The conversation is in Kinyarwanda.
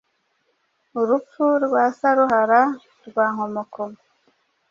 Urupfu rwa Saruhara rwa Nkomokomo